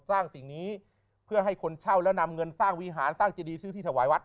สิ่งนี้เพื่อให้คนเช่าและนำเงินสร้างวิหารสร้างเจดีซื้อที่ถวายวัด